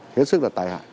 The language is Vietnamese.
hiết sức là tài hại